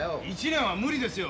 １年は無理ですよ。